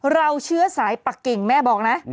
เราเชื้อสายปะกิ่งแม่บอกนะ